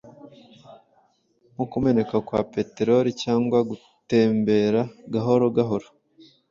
nko kumeneka kwa peteroli-cyangwa gutembera gahoro gahoro,